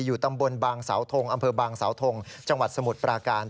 ตำบลบางสาวทงอำเภอบางสาวทงจังหวัดสมุทรปราการ